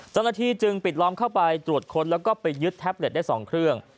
เจ้าหน้าที่จึงปิดล้อมเข้าไปตรวจค้นแล้วก็ไปยึดแท็บเล็ตได้๒เครื่อง